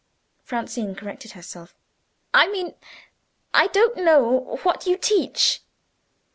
Francine corrected herself. "I mean, I don't know what you teach."